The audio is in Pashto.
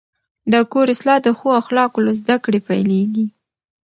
د کور اصلاح د ښو اخلاقو له زده کړې پیلېږي.